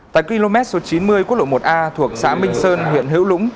tại km số chín mươi quốc lộ một a thuộc xã minh sơn huyện hữu lũng